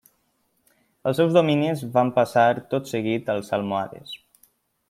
Els seus dominis van passar tot seguit als almohades.